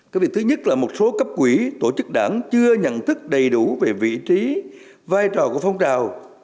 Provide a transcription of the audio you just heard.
cái việc thứ nhất là một số cấp quỹ tổ chức đảng chưa nhận thức đầy đủ về vị trí vai trò của phong trào